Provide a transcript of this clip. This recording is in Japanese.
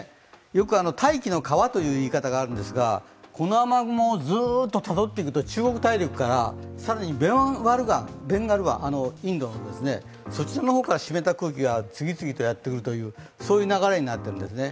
よく大気の川という言い方があるんですがこの雨雲、ずっとたどっていくと中国大陸から、更にインドのベンガル湾そちらの方から湿った空気が次々とやってくるという流れになっているんですね。